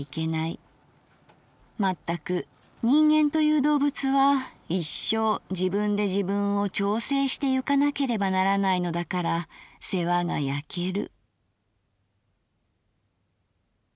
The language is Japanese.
まったく人間という動物は一生自分で自分を調整してゆかなければならないのだから世話がやける」。